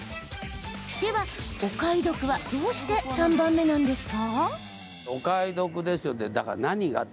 では、お買い得はどうして３番目なんですか？